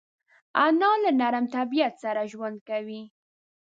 انا له نرم طبیعت سره ژوند کوي